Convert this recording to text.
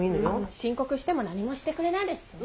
申告しても何もしてくれないですしね。